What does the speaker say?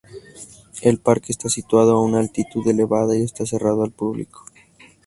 El parque está situado a una altitud elevada y está cerrado al público.